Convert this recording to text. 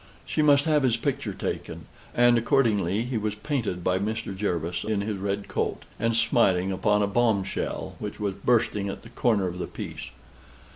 She must have his picture taken; and accordingly he was painted by Mr. Jervas, in his red coat, and smiling upon a bomb shell, which was bursting at the corner of the piece.